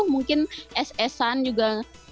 mungkin es esan juga